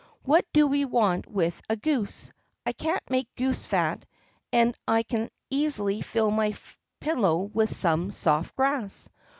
What do we want with a goose? I can't make goose fat and I can easily fill my pillow with some soft grass.